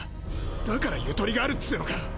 だからゆとりがあるっつうのか？